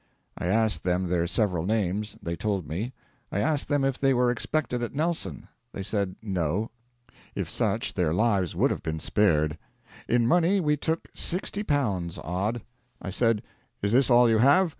I asked them their several names; they told me. I asked them if they were expected at Nelson. They said, 'No.' If such their lives would have been spared. In money we took L60 odd. I said, 'Is this all you have?